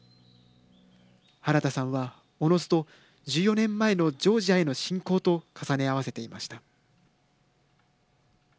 はらださんは、おのずと１４年前のジョージアへの侵攻と重ね合わせていました。